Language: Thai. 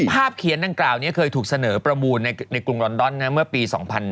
เขียนดังกล่าวนี้เคยถูกเสนอประมูลในกรุงลอนดอนเมื่อปี๒๕๕๙